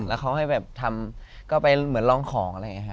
แล้วเขาให้แบบทำก็ไปเหมือนลองของอะไรอย่างนี้ค่ะ